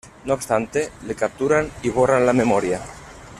No obstante, le capturan y borran la memoria.